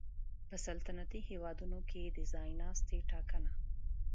په سلطنتي هېوادونو کې د ځای ناستي ټاکنه